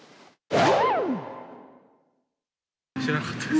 知らなかったです。